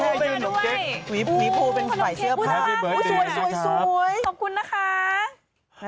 แต่มีโผล่มาด้วย